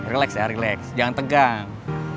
relax ya relax jangan tegang